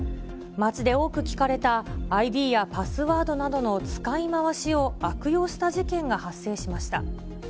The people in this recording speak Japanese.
街で多く聞かれたＩＤやパスワードなどの使い回しを悪用した事件が発生しました。